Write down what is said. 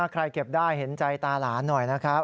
เก็บได้เห็นใจตาหลานหน่อยนะครับ